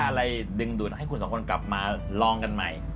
อะไรดึงดูดให้คุณสองคนกลับมาลองกันใหม่